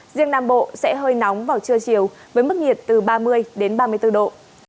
riêng nam bộ sẽ hơi nóng vào trưa chiều với mức nhiệt từ ba mươi đến ba mươi bốn độ